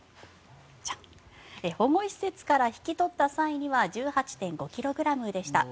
保護施設から引き取った際には１８．５ｋｇでした。